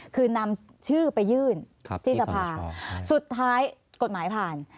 คือนำชื่อไปยื่นที่สภาสุดท้ายกฎหมายผ่าน